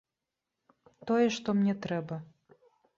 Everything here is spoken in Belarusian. Тое, што мне трэба.